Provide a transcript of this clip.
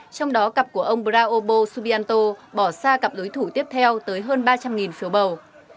trong đó cặp của ông praobo subianto bỏ xa cặp đối thủ tiếp theo tới hơn ba trăm linh phiếu bầu